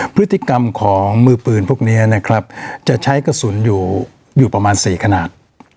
พฤติกรรมของมือปืนพวกนี้นะครับจะใช้กระสุนอยู่ประมาณ๔ขนาด